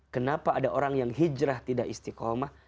kenapa ada orang yang hijrah tidak istiqomah